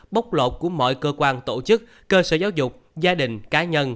bóc lột của mọi cơ quan tổ chức cơ sở giáo dục gia đình cá nhân